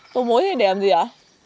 tổ mối thì đẹp gì ạ